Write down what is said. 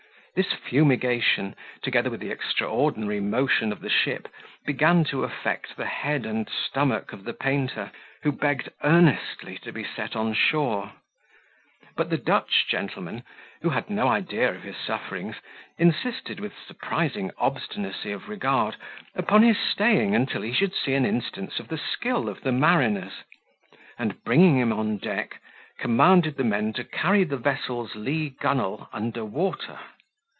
This fumigation, together with the extraordinary motion of the ship, began to affect the head and stomach of the painter, who begged earnestly to be set on shore. But the Dutch gentlemen, who had no idea of his sufferings, insisted, with surprising obstinacy of regard, upon his staying until he should see an instance of the skill of the mariners; and, bringing him on deck, commanded the men to carry the vessel's lee gunwale under water.